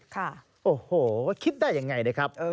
ค่ะโอ้โหคิดได้ยังไงนะครับ